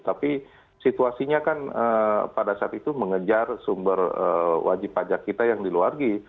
tapi situasinya kan pada saat itu mengejar sumber wajib pajak kita yang diluargi